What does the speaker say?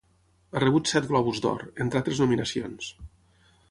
Ha rebut set Globus d'Or, entre altres nominacions.